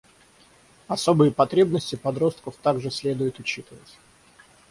Особые потребности подростков также следует учитывать.